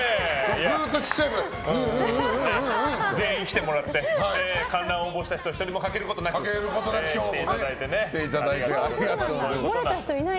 ずっとちっちゃい声で全員来てもらって観覧応募した人１人も欠けることなく来ていただいてありがとうございます。